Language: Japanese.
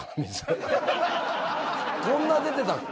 こんな出てたっけ？